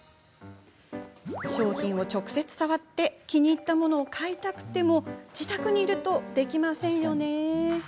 商品を直接触って気に入ったものを買いたくても自宅にいると、できないですよね。